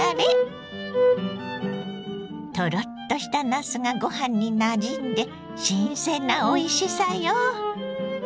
トロッとしたなすがご飯になじんで新鮮なおいしさよ。